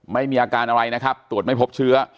ไม่มีอาการอะไรนะครับตรวจไม่พบเชื้อ